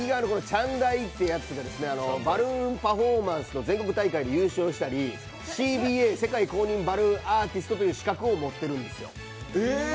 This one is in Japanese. ちゃんだいっていうやつがバルーンパフォーマンスの全国大会で優勝したりＣＢＡ世界公認バルーンアーティストという資格を持ってるんですよ。